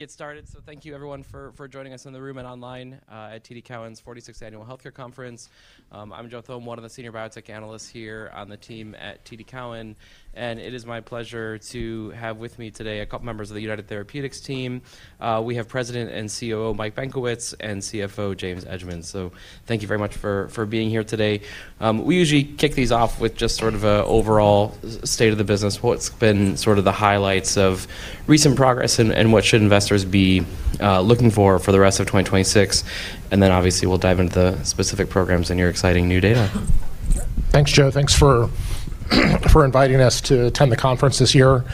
Get started. Thank you everyone for joining us in the room and online at TD Cowen's 46th Annual Healthcare Conference. I'm Joe Thome, one of the senior biotech analysts here on the team at TD Cowen, and it is my pleasure to have with me today a couple members of the United Therapeutics team. We have President and COO, Mike Benkowitz, and CFO, James Edgemond. Thank you very much for being here today. We usually kick these off with just sort of a overall state of the business, what's been sort of the highlights of recent progress, and what should investors be looking for for the rest of 2026. Obviously, we'll dive into the specific programs and your exciting new data. Thanks, Joe. Thanks for inviting us to attend the conference this year.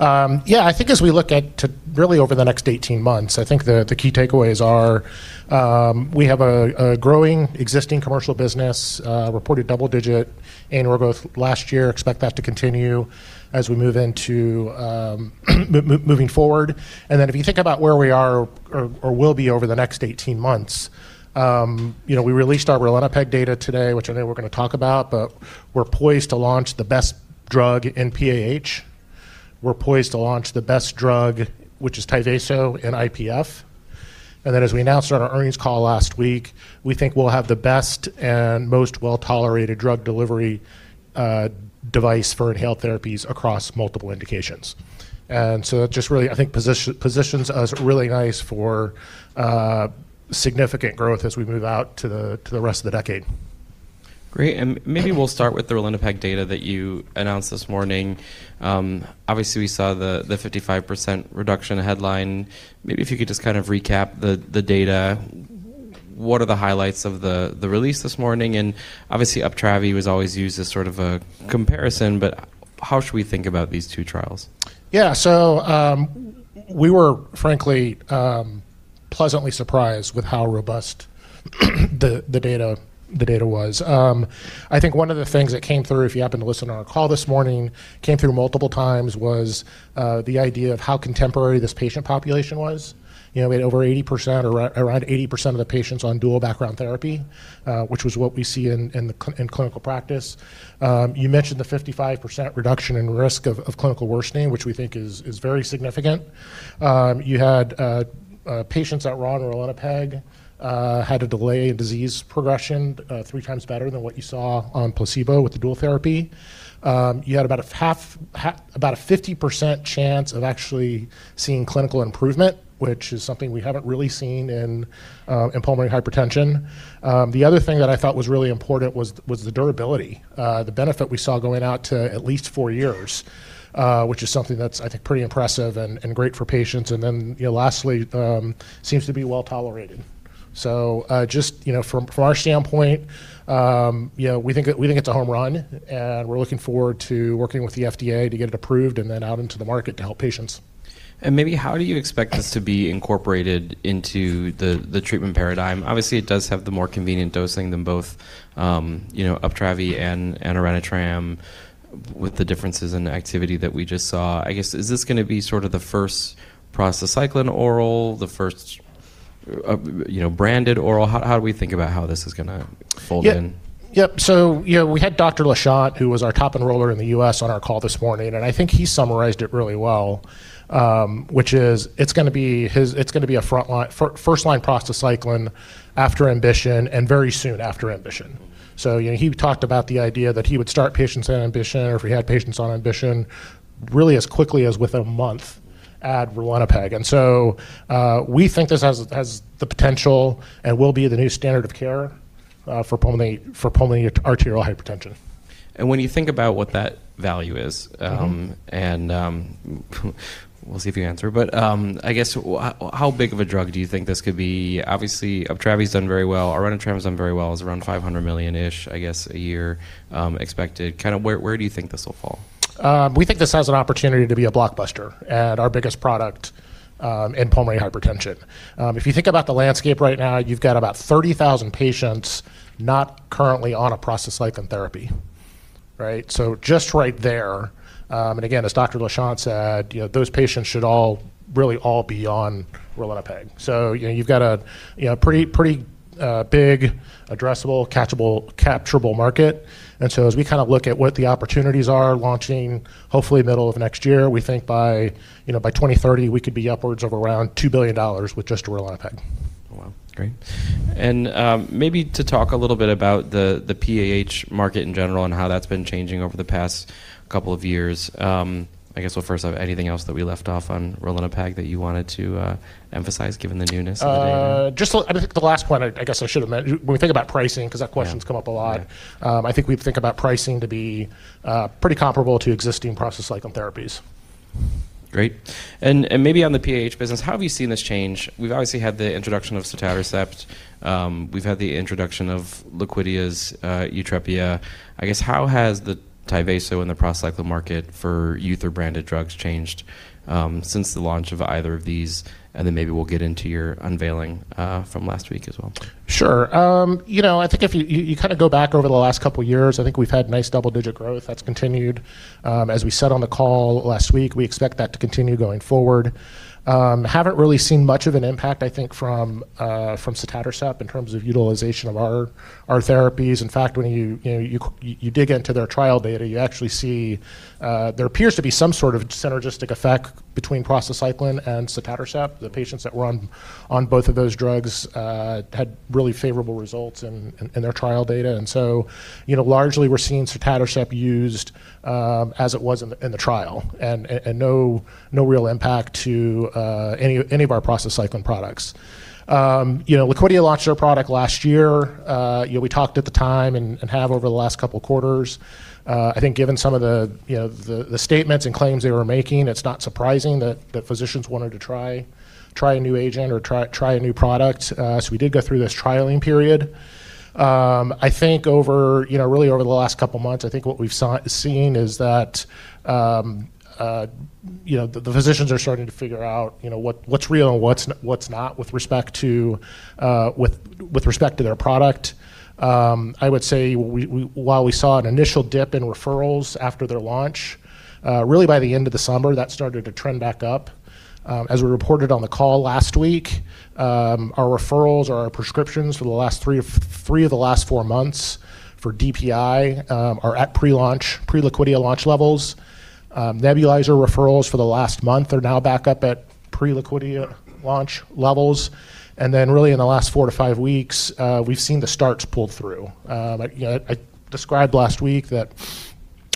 Yeah, I think as we look at really over the next 18-months, I think the key takeaways are, we have a growing, existing commercial business, reported double-digit annual growth last year. Expect that to continue as we move into moving forward. If you think about where we are or will be over the next 18 months, you know, we released our Ralinepag data today, which I know we're gonna talk about, but we're poised to launch the best drug in PAH. We're poised to launch the best drug, which is Tyvaso, in IPF. As we announced on our earnings call last week, we think we'll have the best and most well-tolerated drug delivery device for inhaled therapies across multiple indications. That just really, I think, positions us really nice for significant growth as we move out to the rest of the decade. Great. Maybe we'll start with the Ralinepag data that you announced this morning. Obviously, we saw the 55% reduction headline. Maybe if you could just kind of recap the data. What are the highlights of the release this morning? Obviously, Uptravi was always used as sort of a comparison, but how should we think about these two trials? Yeah. We were frankly pleasantly surprised with how robust the data was. I think one of the things that came through, if you happened to listen on our call this morning, came through multiple times was the idea of how contemporary this patient population was. You know, we had over 80% or around 80% of the patients on dual background therapy, which was what we see in clinical practice. You mentioned the 55% reduction in risk of clinical worsening, which we think is very significant. You had patients that were on Ralinepag had a delay in disease progression three times better than what you saw on placebo with the dual therapy. You had about a half, about a 50% chance of actually seeing clinical improvement, which is something we haven't really seen in pulmonary hypertension. The other thing that I thought was really important was the durability, the benefit we saw going out to at least four years, which is something that's, I think, pretty impressive and great for patients. You know, lastly, seems to be well-tolerated. Just, you know, from our standpoint, you know, we think it's a home run, we're looking forward to working with the FDA to get it approved out into the market to help patients. Maybe how do you expect this to be incorporated into the treatment paradigm? Obviously, it does have the more convenient dosing than both, you know, Uptravi and Orenitram with the differences in the activity that we just saw. I guess, is this gonna be sort of the first prostacyclin oral, the first, you know, branded oral? How do we think about how this is gonna fold in? Yeah. Yep. You know, we had Dr. Lachat, who was our top enroller in the U.S., on our call this morning, and I think he summarized it really well, which is it's gonna be his first-line prostacyclin after AMBITION, and very soon after AMBITION. You know, he talked about the idea that he would start patients on AMBITION, or if he had patients on AMBITION, really as quickly as within a month, add Ralinepag. We think this has the potential and will be the new standard of care for pulmonary arterial hypertension. When you think about what that value is. Mm-hmm. And, we'll see if you answer. I guess how big of a drug do you think this could be? Obviously, Uptravi's done very well. Orenitram's done very well. It's around $500 million-ish, I guess, a year, expected. Kinda where do you think this will fall? We think this has an opportunity to be a blockbuster and our biggest product in pulmonary hypertension. If you think about the landscape right now, you've got about 30,000 patients not currently on a prostacyclin therapy, right? Just right there, and again, as Dr. Lachot said, you know, those patients should all really all be on Ralinepag. You know, you've got a, you know, pretty big addressable, catchable, capturable market. As we kind of look at what the opportunities are, launching hopefully middle of next year, we think by, you know, by 2030, we could be upwards of around $2 billion with just Ralinepag. Wow. Great. Maybe to talk a little bit about the PAH market in general and how that's been changing over the past couple of years. I guess we'll first have anything else that we left off on Ralinepag that you wanted to emphasize given the newness of the data? just the, I think the last point, I guess I should have meant. When we think about pricing, 'cause that question's. Yeah. Come up a lot. Yeah. I think we think about pricing to be pretty comparable to existing prostacyclin therapies. Great. Maybe on the PAH business, how have you seen this change? We've obviously had the introduction of Sotatercept, we've had the introduction of Liquidia's, Yutrepia. I guess how has the Tyvaso and the prostacyclin market for ether-branded drugs changed, since the launch of either of these? Then maybe we'll get into your unveiling, from last week as well. Sure. you know, I think if you kinda go back over the last couple years, I think we've had nice double-digit growth. That's continued. As we said on the call last week, we expect that to continue going forward. Haven't really seen much of an impact, I think, from Sotatercept in terms of utilization of our therapies. In fact, when you know, you dig into their trial data, you actually see, there appears to be some sort of synergistic effect between prostacyclin and Sotatercept. The patients that were on both of those drugs, had really favorable results in their trial data. you know, largely, we're seeing Sotatercept used, as it was in the, in the trial and no real impact to any of our prostacyclin products. You know, Liquidia launched their product last year. You know, we talked at the time and have over the last couple quarters. I think given some of the, you know, the statements and claims they were making, it's not surprising that the physicians wanted to try a new agent or try a new product. We did go through this trialing period. I think over, you know, really over the last couple months, I think what we've seen is that, you know, the physicians are starting to figure out, you know, what's real and what's not with respect to their product. I would say we, while we saw an initial dip in referrals after their launch, really by the end of the summer, that started to trend back up. As we reported on the call last week, our referrals or our prescriptions for the last three of the last four months for DPI, are at pre-launch, pre-Liquidia launch levels. Nebulizer referrals for the last month are now back up at pre-Liquidia launch levels. Really in the last four to five weeks, we've seen the starts pull through. Like, you know, I described last week that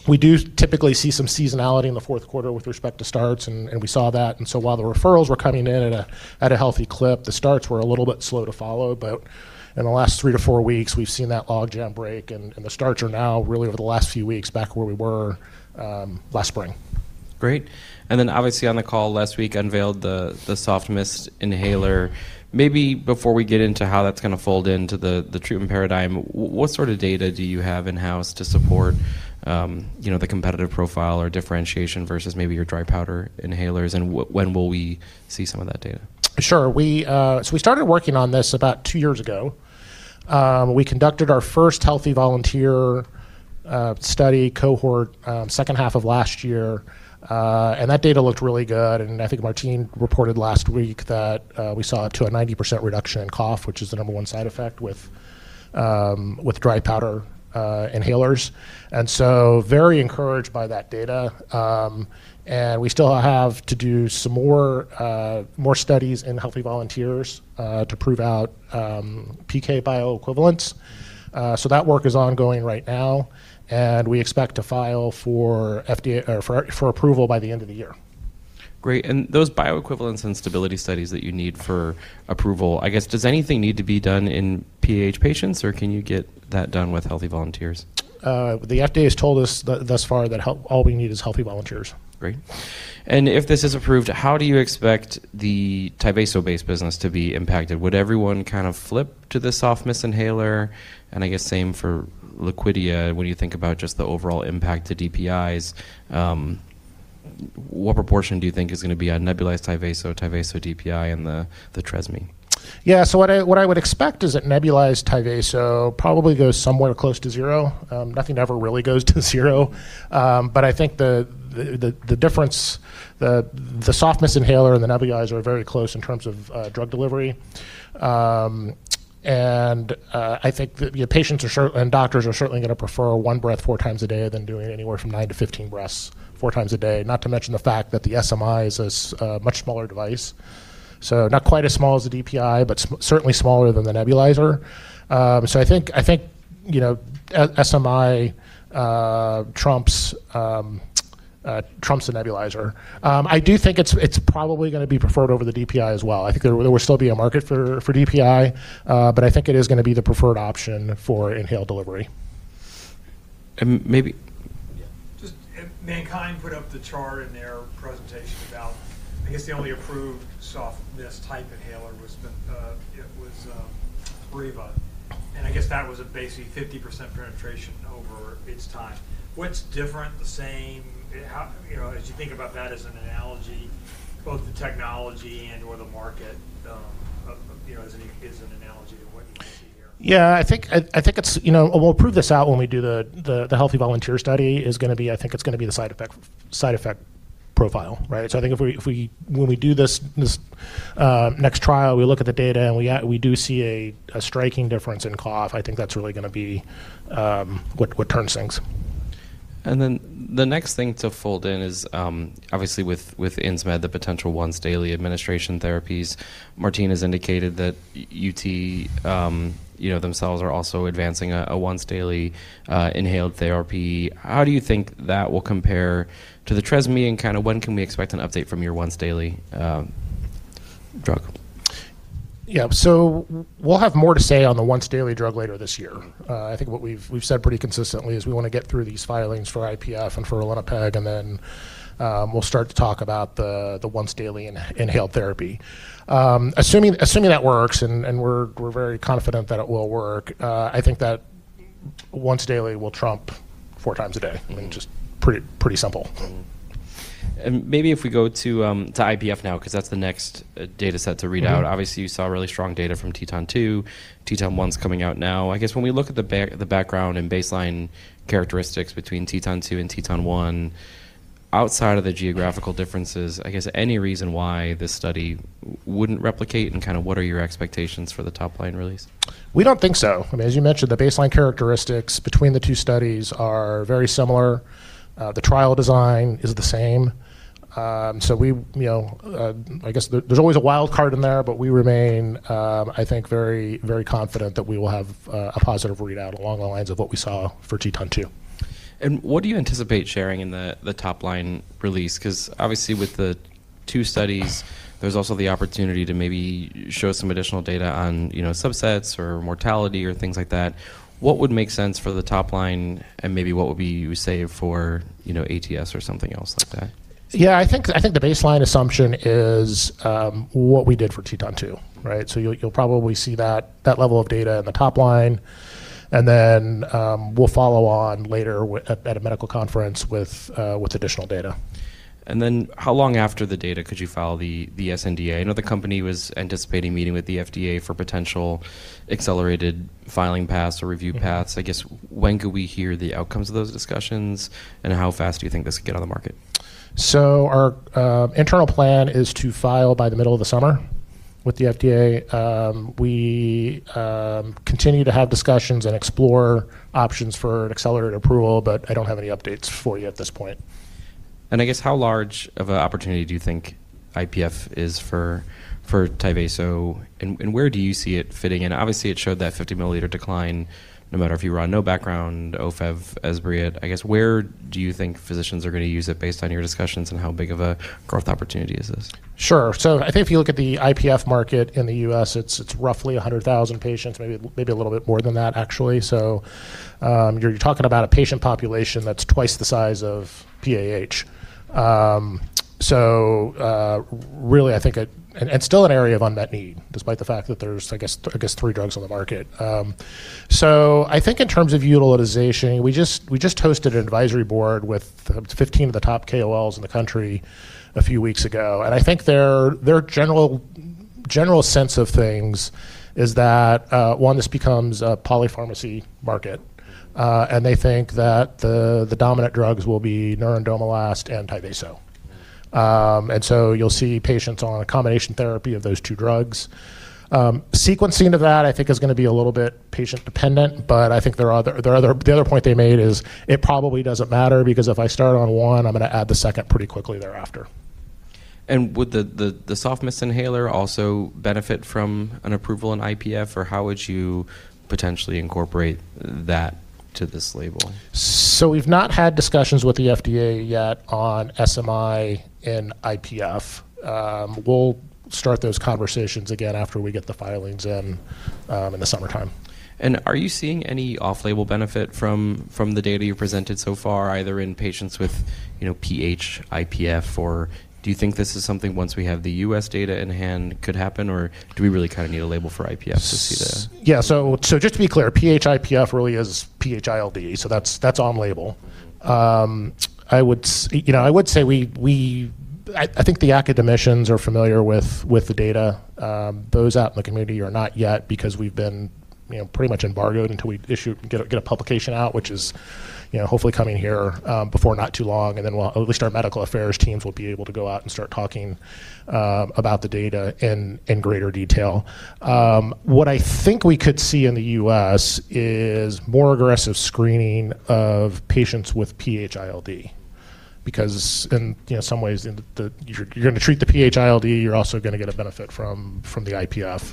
we do typically see some seasonality in the fourth quarter with respect to starts, and we saw that. While the referrals were coming in at a healthy clip, the starts were a little bit slow to follow. In the last 3 to 4 weeks, we've seen that logjam break, and the starts are now really over the last few weeks back where we were last spring. Great. Obviously on the call last week unveiled the soft mist inhaler. Maybe, before we get into how that's gonna fold into the treatment paradigm, what sort of data do you have in-house to support, you know, the competitive profile or differentiation versus maybe your dry powder inhalers, and when will we see some of that data? Sure. We started working on this about two years ago. We conducted our first healthy volunteer study cohort second half of last year. That data looked really good, and I think Martine reported last week that we saw up to a 90% reduction in cough, which is the number one side effect with dry powder inhalers. Very encouraged by that data. We still have to do some more studies in healthy volunteers to prove out PK bioequivalence. That work is ongoing right now, and we expect to file for FDA, or for approval by the end of the year. Great. Those bioequivalence and stability studies that you need for approval, I guess, does anything need to be done in PAH patients, or can you get that done with healthy volunteers? The FDA has told us thus far that all we need is healthy volunteers. Great. If this is approved, how do you expect the Tyvaso-based business to be impacted? Would everyone kind of flip to the soft mist inhaler? I guess same for Liquidia, when you think about just the overall impact to DPIs, what proportion do you think is gonna be on nebulized Tyvaso DPI, and the Trezmie? Yeah. What I would expect is that nebulized Tyvaso probably goes somewhere close to 0. Nothing ever really goes to zero. I think the difference, the soft mist inhaler and the nebulizer are very close in terms of drug delivery. I think that, you know, patients and doctors are certainly gonna prefer one breath four times a day than doing anywhere from nine to15 breaths four times a day, not to mention the fact that the SMI is a much smaller device. Not quite as small as the DPI, but certainly smaller than the nebulizer. I think, you know, SMI trumps the nebulizer. I do think it's probably gonna be preferred over the DPI as well. I think there will still be a market for DPI, but I think it is gonna be the preferred option for inhaled delivery. Maybe... Yeah. Just MannKind put up the chart in their presentation about, I guess the only approved soft mist-type inhaler was, it was Spiriva. I guess that was at basically 50% penetration over its time. What's different, the same? How, you know, as you think about that as an analogy, both the technology and/or the market, you know, as an analogy to what you see here? Yeah. I think it's, you know, we'll prove this out when we do the healthy volunteer study, is gonna be, I think it's gonna be the side effect profile, right? I think if we, when we do this next trial, we look at the data and we do see a striking difference in cough, I think that's really gonna be, what turns things. The next thing to fold in is, obviously with Insmed, the potential once-daily administration therapies. Martine has indicated that UT, you know, themselves are also advancing a once-daily inhaled therapy. How do you think that will compare to the Trezmie, and kinda when can we expect an update from your once-daily drug? Yeah. we'll have more to say on the once daily drug later this year. I think what we've said pretty consistently is we wanna get through these filings for IPF and for Ralinepag, and then, we'll start to talk about the once daily inhaled therapy. assuming that works, and we're very confident that it will work, I think that once daily will trump four times a day. Mm-hmm. I mean, just pretty simple. Mm-hmm. Maybe if we go to IPF now, 'cause that's the next data set to read out. Mm-hmm. Obviously, you saw really strong data from TETON-2. TETON 1's coming out now. I guess when we look at the background and baseline characteristics between TETON-2 and TETON 1, outside of the geographical differences, I guess any reason why this study wouldn't replicate, and kinda what are your expectations for the top line release? We don't think so. I mean, as you mentioned, the baseline characteristics between the two studies are very similar. The trial design is the same. We, you know, I guess there's always a wild card in there, but we remain, I think very confident that we will have a positive readout along the lines of what we saw for TETON-2. What do you anticipate sharing in the top line release? Because obviously with the two studies, there's also the opportunity to maybe show some additional data on, you know, subsets or mortality or things like that. What would make sense for the top line, and maybe what would be you save for, you know, ATS or something else like that? Yeah. I think the baseline assumption is what we did for TETON-2, right? You'll probably see that level of data in the top line, and then we'll follow on later at a medical conference with additional data. How long after the data could you file the sNDA? I know the company was anticipating meeting with the FDA for potential accelerated filing paths or review paths. Mm-hmm. I guess when could we hear the outcomes of those discussions, and how fast do you think this could get on the market? Our internal plan is to file by the middle of the summer with the FDA. We continue to have discussions and explore options for an accelerated approval, but I don't have any updates for you at this point. I guess how large of an opportunity do you think IPF is for Tyvaso, and where do you see it fitting in? Obviously, it showed that 50 milliliter decline, no matter if you were on no background, Ofev, Esbriet. I guess where do you think physicians are going to use it based on your discussions, and how big of a growth opportunity is this? Sure. I think if you look at the IPF market in the U.S., it's roughly 100,000 patients, maybe a little bit more than that, actually. You're talking about a patient population that's twice the size of PAH. Really, I think it and still an area of unmet need, despite the fact that there's I guess three drugs on the market. I think in terms of utilization, we just hosted an advisory board with 15 of the top KOLs in the country a few weeks ago, and I think their general sense of things is that one, this becomes a polypharmacy market, and they think that the dominant drugs will be Nurent, Omalast, and Tyvaso. You'll see patients on a combination therapy of those two drugs. Sequencing of that I think is gonna be a little bit patient-dependent, I think the other point they made is it probably doesn't matter because if I start on one, I'm gonna add the second pretty quickly thereafter. Would the soft mist inhaler also benefit from an approval in IPF, or how would you potentially incorporate that to this labeling? We've not had discussions with the FDA yet on SMI and IPF. We'll start those conversations again after we get the filings in in the summertime. Are you seeing any off-label benefit from the data you presented so far, either in patients with, you know, PH-IPF, or do you think this is something once we have the U.S. data in hand could happen, or do we really kinda need a label for IPF to see? Yeah, just to be clear, PH-IPF really is PH-ILD, so that's on label. I would say, you know, I think the academicians are familiar with the data. Those out in the community are not yet because we've been, you know, pretty much embargoed until we issue, get a publication out, which is, you know, hopefully coming here before not too long, and then we'll at least our medical affairs teams will be able to go out and start talking about the data in greater detail. What I think we could see in the U.S. is more aggressive screening of patients with PH-ILD because in, you know, some ways, you're gonna treat the PH-ILD, you're also gonna get a benefit from the IPF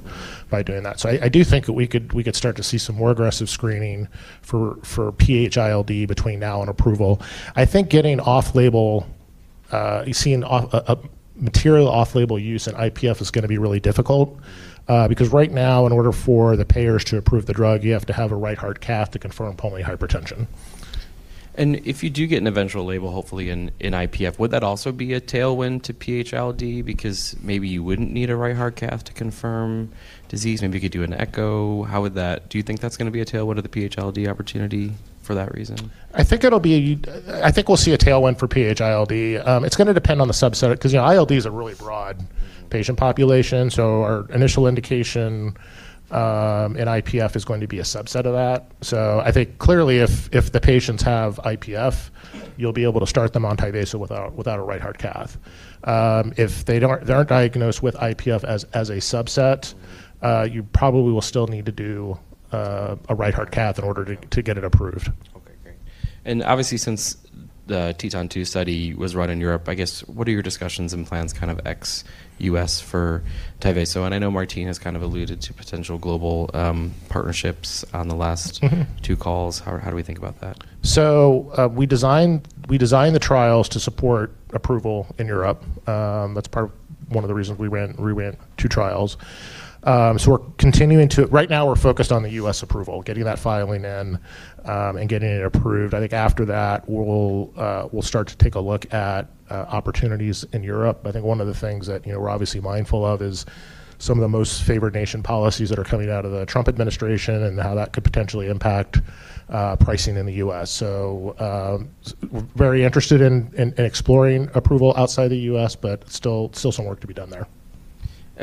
by doing that. I do think that we could start to see some more aggressive screening for PH-ILD between now and approval. I think getting off-label, seeing material off-label use in IPF is gonna be really difficult because right now in order for the payers to approve the drug, you have to have a right heart cath to confirm pulmonary hypertension. If you do get an eventual label, hopefully in IPF, would that also be a tailwind to PH-ILD because maybe you wouldn't need a right heart cath to confirm disease, maybe you could do an echo? Do you think that's gonna be a tailwind of the PH-ILD opportunity for that reason? I think it'll be, I think we'll see a tailwind for PH-ILD. It's gonna depend on the subset 'cause, you know, ILD is a really broad patient population. Our initial indication in IPF is going to be a subset of that. I think clearly if the patients have IPF, you'll be able to start them on Tyvaso without a right heart cath. If they don't, they aren't diagnosed with IPF as a subset, you probably will still need to do a right heart cath in order to get it approved. Okay, great. Obviously, since the TETON-2 study was run in Europe. I guess, what are your discussions and plans kind of ex-U.S. for Tyvaso? I know Martine has kind of alluded to potential global partnerships on the last two calls. How do we think about that? We designed the trials to support approval in Europe. That's part of one of the reasons we ran two trials. Right now, we're focused on the U.S. approval, getting that filing in, and getting it approved. I think after that, we'll start to take a look at opportunities in Europe. I think one of the things that, you know, we're obviously mindful of is some of the Most-Favored-Nation policies that are coming out of the Trump administration and how that could potentially impact pricing in the U.S., Very interested in exploring approval outside the U.S., but still some work to be done there.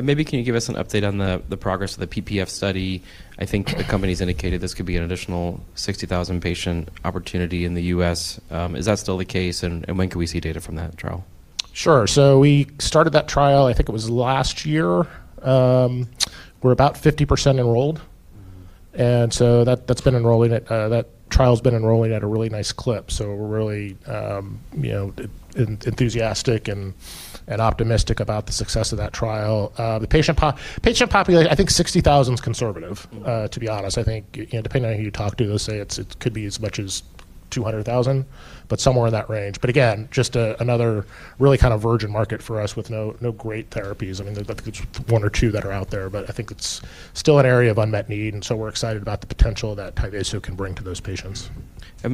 maybe can you give us an update on the progress of the PPF study? I think the company's indicated this could be an additional 60,000 patient opportunity in the U.S. Is that still the case, and when can we see data from that trial? Sure. We started that trial, I think it was last year. We're about 50% enrolled. Mm-hmm. That's been enrolling at, that trial's been enrolling at a really nice clip. We're really, you know, enthusiastic and optimistic about the success of that trial. The patient population, I think 60,000's conservative, to be honest. I think, you know, depending on who you talk to, they'll say it could be as much as 200,000, but somewhere in that range. Again, just another really kind of virgin market for us with no great therapies. I mean, I think it's one or two that are out there, but I think it's still an area of unmet need. We're excited about the potential that Tyvaso can bring to those patients.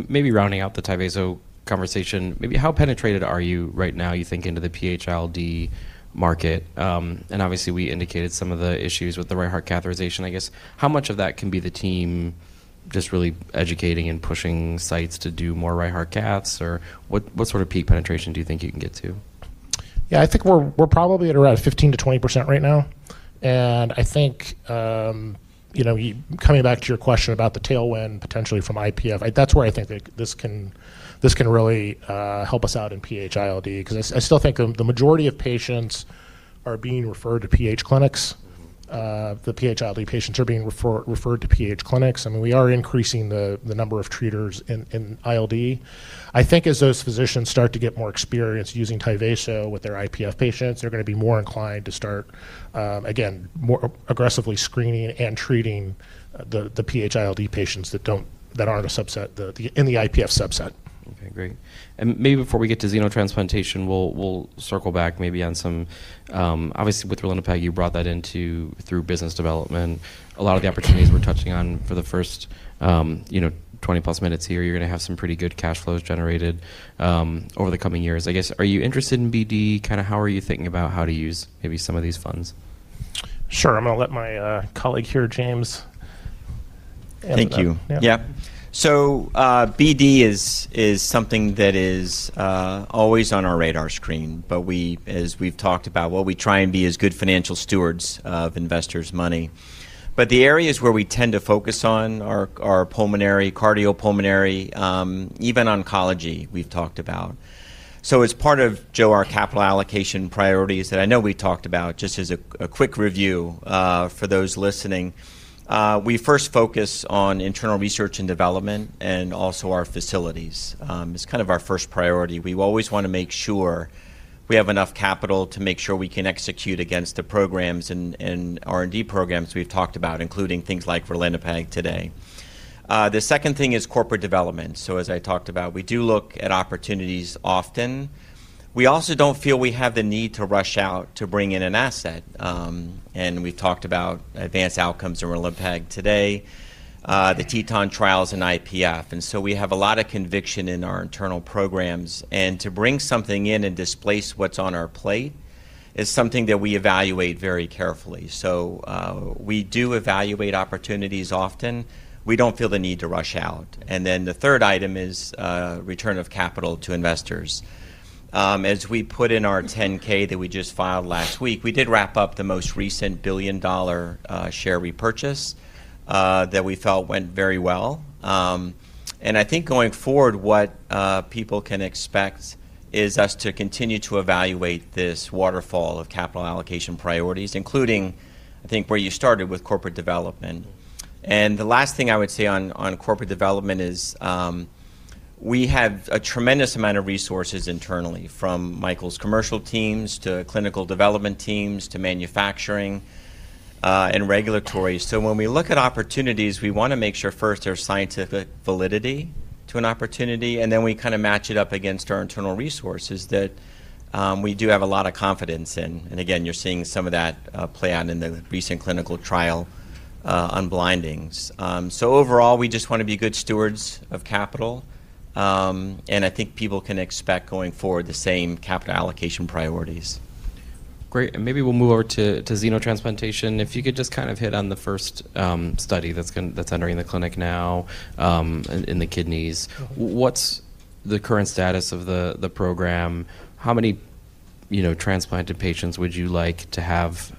Maybe rounding out the Tyvaso conversation, maybe how penetrated are you right now, you think, into the PH-ILD market? Obviously, we indicated some of the issues with the right heart catheterization. I guess, how much of that can be the team just really educating and pushing sites to do more right heart caths? What sort of peak penetration do you think you can get to? Yeah. I think we're probably at around 15%-20% right now. I think, you know, coming back to your question about the tailwind potentially from IPF, That's where I think this can really help us out in PH-ILD, 'cause I still think, the majority of patients are being referred to PH clinics. Mm-hmm. The PH-ILD patients are being referred to PH clinics, and we are increasing the number of treaters in ILD. I think as those physicians start to get more experience using Tyvaso with their IPF patients, they're gonna be more inclined to start again, aggressively screening and treating the PH-ILD patients that aren't a subset in the IPF subset. Okay. Great. Maybe before we get to xenotransplantation, we'll circle back maybe on some... Obviously, with Ralinepag, you brought that into through business development. A lot of the opportunities we're touching on for the first, you know, 20-plus minutes here, you're gonna have some pretty good cash flows generated, over the coming years. I guess, are you interested in BD? Kinda how are you thinking about how to use maybe some of these funds? Sure. I'm gonna let my colleague here, James, handle that. Thank you. Yeah. BD is something that is always on our radar screen. We, as we've talked about, well, we try and be as good financial stewards of investors' money. The areas where we tend to focus on are pulmonary, cardiopulmonary, even oncology, we've talked about. As part of, Joe, our capital allocation priorities that I know we talked about, just as a quick review, for those listening, we first focus on internal research and development and also our facilities. It's kind of our first priority. We always wanna make sure we have enough capital to make sure we can execute against the programs and R&D programs we've talked about, including things like Ralinepag today. The second thing is corporate development. As I talked about, we do look at opportunities often. We also don't feel we have the need to rush out to bring in an asset. We've talked about advanced outcomes in Ralinepag today, the TETON trials in IPF. We have a lot of conviction in our internal programs. To bring something in and displace what's on our plate is something that we evaluate very carefully. We do evaluate opportunities often. We don't feel the need to rush out. The third item is return of capital to investors. As we put in our 10-K that we just filed last week, we did wrap up the most recent $1 billion share repurchase that we felt went very well. I think going forward, what, people can expect is us to continue to evaluate this waterfall of capital allocation priorities, including, I think, where you started with corporate development. Mm-hmm. The last thing I would say on corporate development is, we have a tremendous amount of resources internally, from Michael's commercial teams to clinical development teams to manufacturing, and regulatory. When we look at opportunities, we wanna make sure first there's scientific validity to an opportunity, and then we kinda match it up against our internal resources that, we do have a lot of confidence in. Again, you're seeing some of that play out in the recent clinical trial on blindings. Overall, we just wanna be good stewards of capital, and I think people can expect going forward the same capital allocation priorities. Great. Maybe we'll move over to xenotransplantation. If you could just kind of hit on the first study that's entering the clinic now in the kidneys. Sure. What's the current status of the program? How many, you know, transplanted patients would you like to have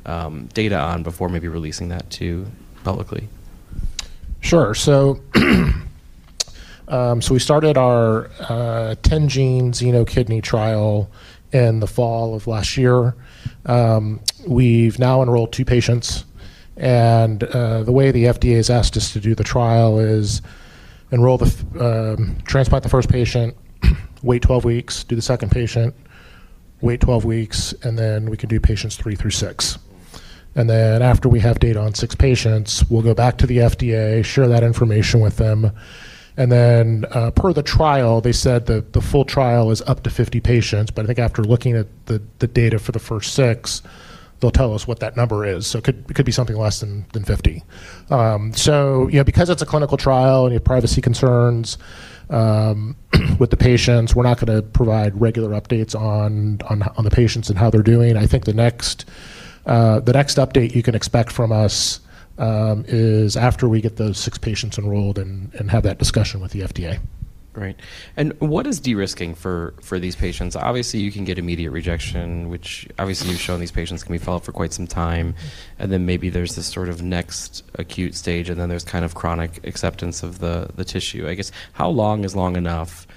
data on before maybe releasing that to publicly? Sure. We started our 10-gene xenokidney trial in the fall of last year. We've now enrolled two patients. The way the FDA's asked us to do the trial is transplant the first patient, wait 12-weeks, do the second patient. Wait 12-weeks. Then we can do patients three through six. Mm-hmm. After we have data on six patients, we'll go back to the FDA, share that information with them. Then, per the trial, they said that the full trial is up to 50 patients, but I think after looking at the data for the first six, they'll tell us what that number is. It could be something less than 50. You know, because it's a clinical trial and you have privacy concerns with the patients, we're not gonna provide regular updates on the patients and how they're doing. I think the next update you can expect from us is after we get those six patients enrolled and have that discussion with the FDA. Great. What is de-risking for these patients? Obviously, you can get immediate rejection, which obviously you've shown these patients can be followed for quite some time, and then maybe there's this sort of next acute stage, and then there's kind of chronic acceptance of the tissue. I guess, how long is long enough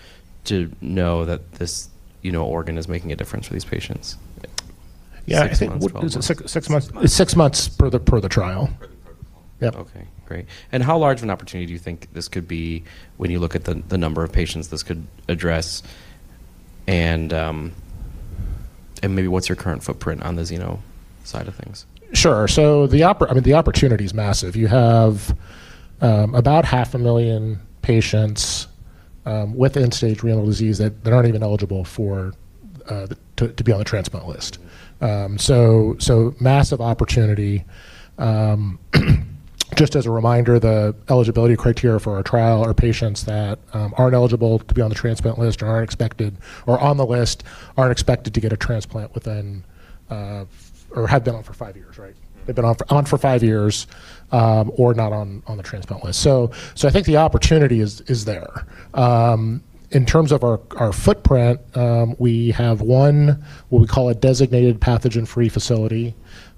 to know that this, you know, organ is making a difference for these patients? Yeah, I think. Six months, 12-months? Six months. Six months per the trial. Per the trial. Yep. Okay. Great. How large of an opportunity do you think this could be when you look at the number of patients this could address? Maybe what's your current footprint on the xeno side of things? Sure. I mean, the opportunity is massive. You have about 500,000 patients with end-stage renal disease that aren't even eligible for to be on the transplant list. Massive opportunity. Just as a reminder, the eligibility criteria for our trial are patients that aren't eligible to be on the transplant list or are on the list, aren't expected to get a transplant within or have been on for five years, right? Mm-hmm. They've been on for five years, or not on the transplant list. I think the opportunity is there. In terms of our footprint, we have one what we call a designated pathogen-free facility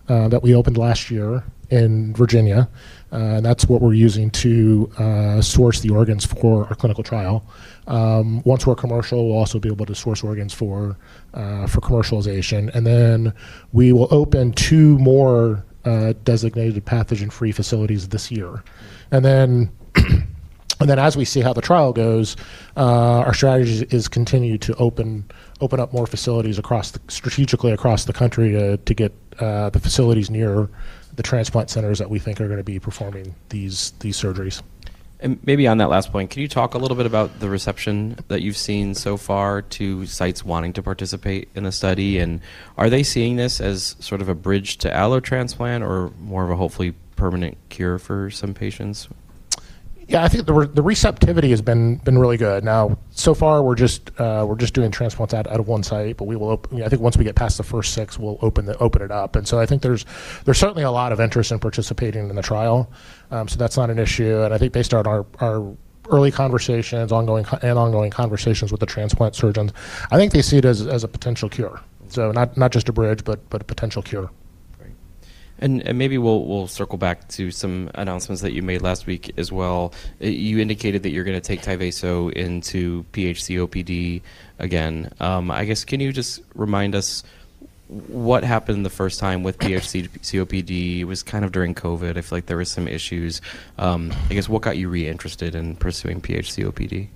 that we opened last year in Virginia, and that's what we're using to source the organs for our clinical trial. Once we're commercial, we'll also be able to source organs for commercialization. We will open two more designated pathogen-free facilities this year. As we see how the trial goes, our strategy is continue to open up more facilities strategically across the country to get the facilities nearer the transplant centers that we think are gonna be performing these surgeries. Maybe on that last point, can you talk a little bit about the reception that you've seen so far to sites wanting to participate in a study and are they seeing this as sort of a bridge to allotransplant or more of a hopefully permanent cure for some patients? Yeah. I think the receptivity has been really good. Now, so far we're just doing transplants out of one site, but we will open. You know, I think once we get past the first six, we'll open it up. I think there's certainly a lot of interest in participating in the trial, so that's not an issue. I think based on our early conversations, and ongoing conversations with the transplant surgeons, I think they see it as a potential cure. Not just a bridge, but a potential cure. Great. maybe we'll circle back to some announcements that you made last week as well. You indicated that you're gonna take Tyvaso into PHCOPD again. I guess, can you just remind us what happened the first time with PHCOPD? It was kind of during COVID. I feel like there were some issues. I guess, what got you re-interested in pursuing PHCOPD?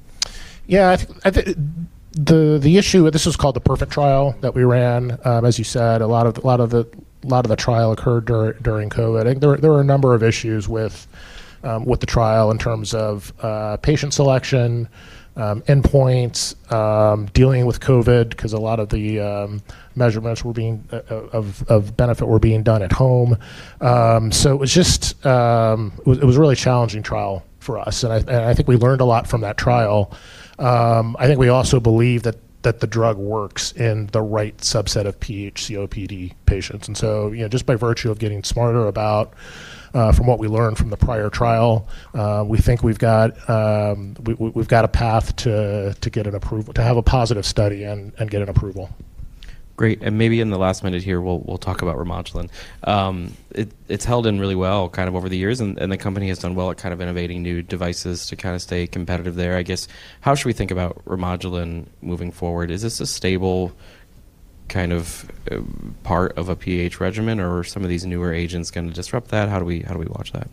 The issue. This was called the PERFECT trial that we ran. As you said, a lot of the trial occurred during COVID. I think there were a number of issues with the trial in terms of patient selection, endpoints, dealing with COVID 'cause a lot of the measurements were being of benefit were being done at home. It was just... It was a really challenging trial for us, and I think we learned a lot from that trial. I think we also believe that the drug works in the right subset of PHCOPD patients. You know, just by virtue of getting smarter about, from what we learned from the prior trial, we think we've got, we've got a path to get to have a positive study and get an approval. Great. maybe in the last minute here, we'll talk about Remodulin. It's held in really well kind of over the years, and the company has done well at kind of innovating new devices to kind of stay competitive there. I guess, how should we think about Remodulin moving forward? Is this a stable kind of part of a PH regimen, or are some of these newer agents gonna disrupt that? How do we watch that?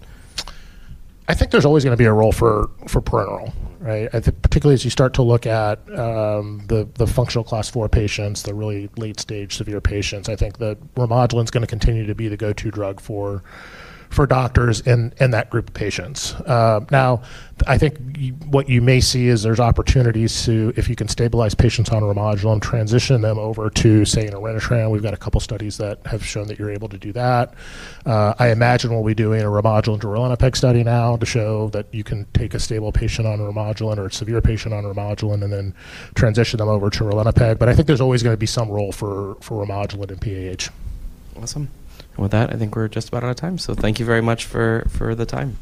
I think there's always gonna be a role for parenteral, right? I think particularly as you start to look at the functional Class IV patients, the really late-stage severe patients, I think that Remodulin's gonna continue to be the go-to drug for doctors and that group of patients. Now, I think what you may see is there's opportunities to, if you can stabilize patients on Remodulin, transition them over to, say, an Orenitram. We've got a couple studies that have shown that you're able to do that. I imagine what we do in a Remodulin to Ralinepag study now to show that you can take a stable patient on Remodulin or a severe patient on Remodulin and then transition them over to Ralinepag. But I think there's always gonna be some role for Remodulin in PAH. Awesome. With that, I think we're just about out of time. Thank you very much for the time.